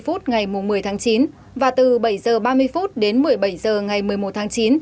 từ một mươi hai h đến hai mươi một h ba mươi ngày một mươi tháng chín và từ bảy h ba mươi đến một mươi bảy h ngày một mươi một tháng chín